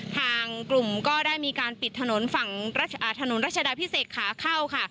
ทางกลุ่มก็ได้มีการปิดถนนฝั่งถนนรัชดาพิเศษขาเข้าค่ะ